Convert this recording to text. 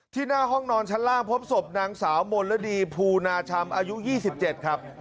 หน้าห้องนอนชั้นล่างพบศพนางสาวมลดีภูนาชำอายุ๒๗ครับ